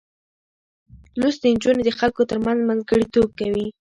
لوستې نجونې د خلکو ترمنځ منځګړتوب کوي.